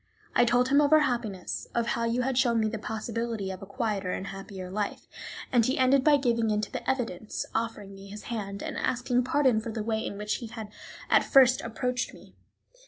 I told him of our happiness, of how you had shown me the possibility of a quieter and happier life, and he ended by giving in to the evidence, offering me his hand, and asking pardon for the way in which he had at first approached me.